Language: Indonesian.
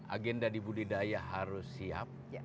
agenda di budidaya harus siap